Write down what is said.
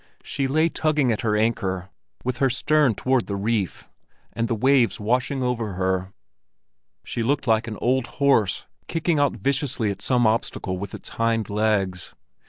She lay tugging at her anchor, with her stern toward the reef, and the waves washing over her; she looked like an old horse kicking out viciously at some obstacle with its hind legs.